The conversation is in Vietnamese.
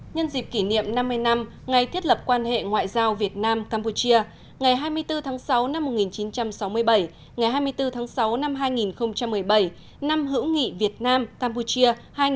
nhân dịp kỷ niệm năm mươi năm ngày thiết lập quan hệ ngoại giao việt nam campuchia ngày hai mươi bốn tháng sáu năm một nghìn chín trăm sáu mươi bảy ngày hai mươi bốn tháng sáu năm hai nghìn một mươi bảy năm hữu nghị việt nam campuchia hai nghìn một mươi tám